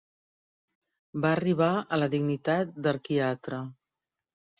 Va arribar a la dignitat d'arquiatre.